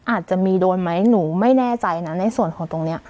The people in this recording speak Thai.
อาจจะมีโดนไหมหนูไม่แน่ใจนะในส่วนของตรงนี้